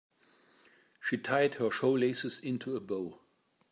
She tied her shoelaces into a bow.